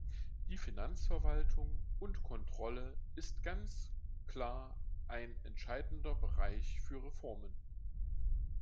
Die Finanzverwaltung und kontrolle ist ganz klar ein entscheidender Bereich für Reformen.